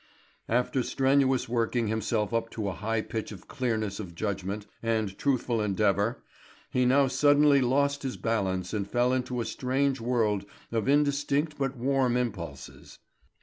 After strenuously working himself up to a high pitch of clearness of judgment and truthful endeavour, he now suddenly lost his balance and fell into a strange world of indistinct but warm impulses.